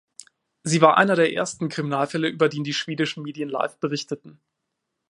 Sie war einer der ersten Kriminalfälle, über den die schwedischen Medien live berichteten.